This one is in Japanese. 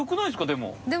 でも。